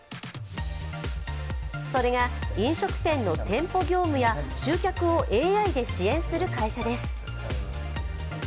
それが飲食店の店舗業務や集客をＡＩで支援する会社です。